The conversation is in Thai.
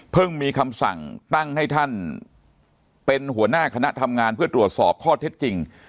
มีคำสั่งตั้งให้ท่านเป็นหัวหน้าคณะทำงานเพื่อตรวจสอบข้อเท็จจริง